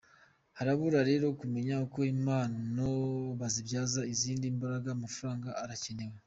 Harabura rero kumenya uko impano bazibyaza izindi mbaraga, amafaranga arakenewe.